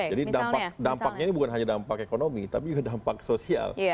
jadi dampaknya ini bukan hanya dampak ekonomi tapi juga dampak sosial